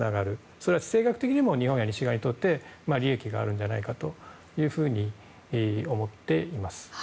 それは地政学的にも日本や西側にとって利益になるんじゃないかと思っています。